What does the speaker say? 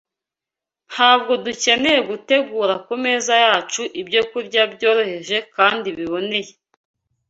Ntabwo dukeneye gutegura ku meza yacu ibyokurya byoroheje kandi biboneye?